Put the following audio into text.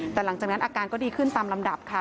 แต่หลังจากนั้นอาการก็ดีขึ้นตามลำดับค่ะ